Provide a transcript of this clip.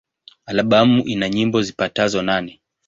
Albamu ina nyimbo zipatazo nane.